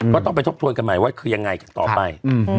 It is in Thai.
ก็ต้องไปทบทวนกันใหม่ว่าคือยังไงกันต่อไป